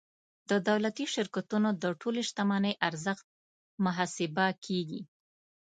د دولتي شرکتونو د ټولې شتمنۍ ارزښت محاسبه کیږي.